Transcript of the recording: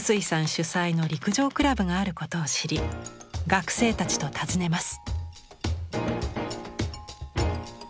主宰の陸上クラブがあることを知り学生たちと訪ねます。